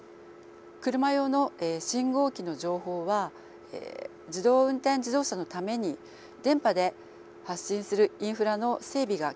車用の信号機の情報は自動運転自動車のために電波で発信するインフラの整備が検討されています。